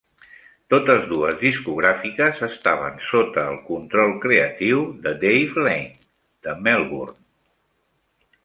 Totes dues discogràfiques estaven sota el control creatiu de Dave Laing, de Melbourne.